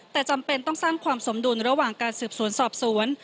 แต่จำเป็นต้องสร้างความสมดุลระหว่างการสืบสวนสอบสวน